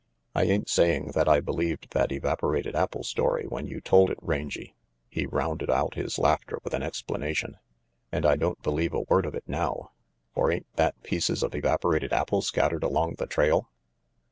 "I ain't saying that I believed that evaporated apple story when you told it, Rangy," he rounded out his laughter with an explanation, "and I don't believe a word of it now. For ain't that pieces of evaporated apple scattered along the trail?"